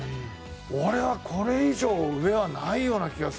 俺はこれ以上上はないような気がするんだけどね。